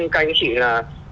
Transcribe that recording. cái với chị là